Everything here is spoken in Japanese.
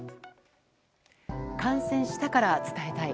感染したから伝えたい」。